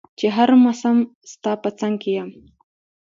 چي هر مسم ستا په څنګ کي يم